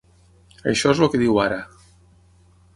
Això és el que diu ara.